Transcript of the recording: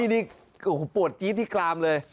นี่ปวดจี้ที่กลามเลย